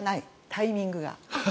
タイミングが。